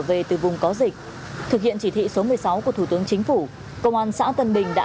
về từ vùng có dịch thực hiện chỉ thị số một mươi sáu của thủ tướng chính phủ công an xã tân bình đã